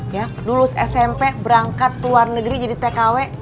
ya lulus smp berangkat ke luar negeri jadi tkw